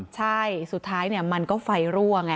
ใช่สุดท้ายมันก็ไฟรั่วไง